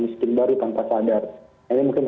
miskin baru tanpa sadar ini mungkin